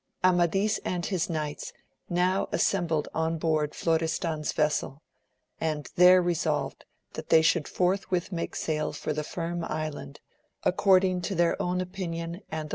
MADIS and his knights now assembled on board Florestan's vessel, and there resolved that they should forthwith make sail for the Firm Island, according to their own opinion and the AMADIS OF GAUL.